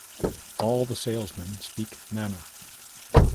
All the salesmen speak Nana.